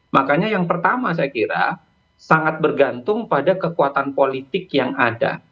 makanya yang pertama saya kira sangat bergantung pada kekuatan politik yang ada